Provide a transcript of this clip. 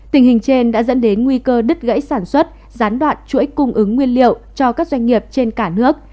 tình hình trên đã dẫn đến nguy cơ đứt gãy sản xuất gián đoạn chuỗi cung ứng nguyên liệu cho các doanh nghiệp trên cả nước